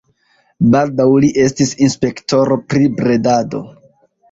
Baldaŭ li estis inspektoro pri bredado.